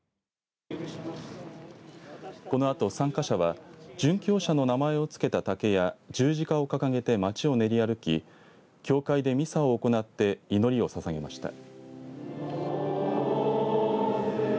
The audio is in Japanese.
このあと参加者は殉教者の名前をつけた竹や十字架を掲げて街を練り歩き教会でミサを行って祈りを捧げました。